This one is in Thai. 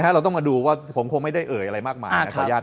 เราต้องมาดูว่าผมคงไม่ได้เอ่ยอะไรมากมายนะครับ